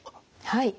はい。